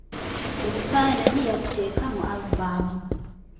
Ebifaananyi yabiteeka mu 'alubamu".